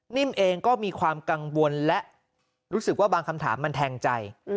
นิ่มเองก็มีความกังวลและรู้สึกว่าบางคำถามมันแทงใจ